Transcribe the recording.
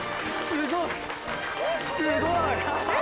すごい！え！